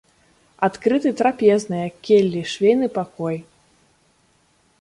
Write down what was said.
Адкрыты трапезная, келлі, швейны пакой.